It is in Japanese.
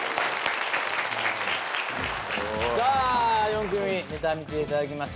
さあ４組ネタ見ていただきました。